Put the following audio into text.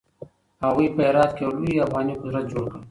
هغوی په هرات کې يو لوی افغاني قدرت جوړ کړ.